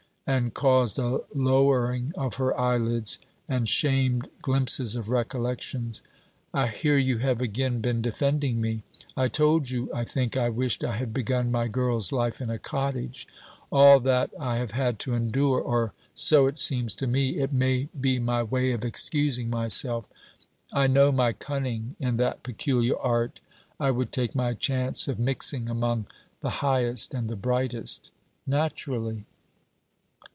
and caused a lowering of her eyelids and shamed glimpses of recollections. 'I hear you have again been defending me. I told you, I think, I wished I had begun my girl's life in a cottage. All that I have had to endure!.. or so it seems to me: it may be my way of excusing myself: I know my cunning in that peculiar art. I would take my chance of mixing among the highest and the brightest.' 'Naturally.'